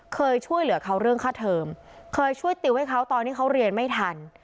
เคยช่วยเหลือเขาเรื่องค่าเทิมเคยช่วยติวให้เขาตอนที่เขาเรียนไม่ทัน